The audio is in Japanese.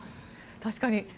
確かに。